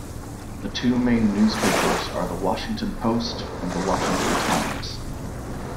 The two main newspapers are The Washington Post and The Washington Times.